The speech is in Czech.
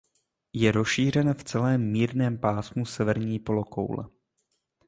Je rozšířen v celém mírném pásmu severní polokoule.